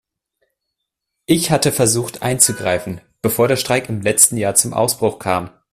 Ich hatte versucht einzugreifen, bevor der Streik im letzten Jahr zum Ausbruch kam.